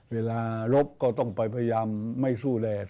เวลาลบก็ต้องไปพยายามไม่สู้แรง